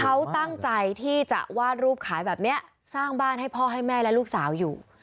เขาตั้งใจที่จะวาดรูปขายแบบนี้สร้างบ้านให้พ่อให้แม่และลูกสาวอยู่